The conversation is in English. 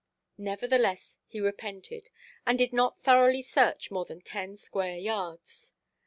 Nevertheless he repented, and did not thoroughly search more than ten square yards.